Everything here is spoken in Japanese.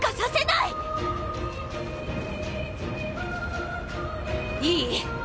いい？